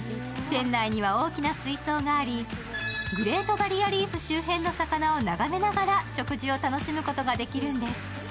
店内には大きな水槽がありグレートバリアリーフ周辺の魚をながめながら食事を楽しむことができるんです。